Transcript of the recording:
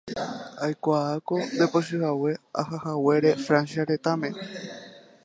aikuaáko ndepochyhague ahahaguére Francia retãme